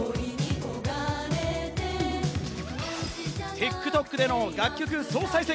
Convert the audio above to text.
ＴｉｋＴｏｋでの楽曲総再生